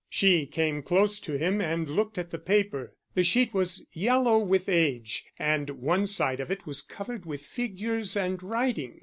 She came close to him and looked at the paper. The sheet was yellow with age, and one side of it was covered with figures and writing.